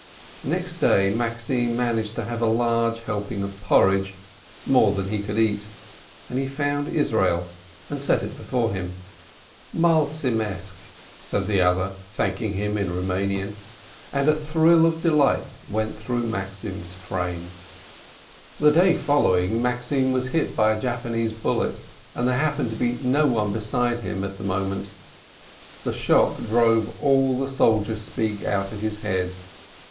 Next day Maxim managed to have a large helping of porridge, more than he could eat, and he found Israel, and set it before him. "Maltzimesk !" said the other, thanking him in Rou manian, and a thrill of delight went through Maxim's frame. 17 254 STEINBEKG The* day following, Maxim was hit by a Japanese bullet, and there happened to be no one beside him at the moment. The shock drove all the soldier speech out of his head.